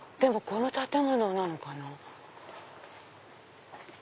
この建物なのかな？